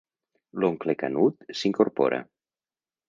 L'oncle Canut s'incorpora.